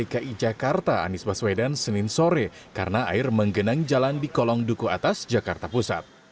dki jakarta anies baswedan senin sore karena air menggenang jalan di kolong duku atas jakarta pusat